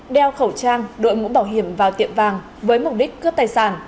đeo khẩu trang đội mũ bảo hiểm vào tiệm vàng với mục đích cướp tài sản